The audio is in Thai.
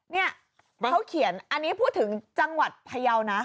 เนี่ยเขาเขียนอันนี้พูดถึงจังหวัดพยาวนะ